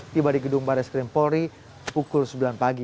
tiba di gedung badan skrim polri pukul sembilan pagi